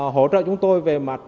hỗ trợ chúng tôi về mặt